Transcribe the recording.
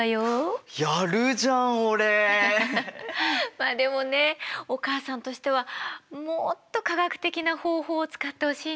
まあでもねお母さんとしてはもっと科学的な方法を使ってほしいな。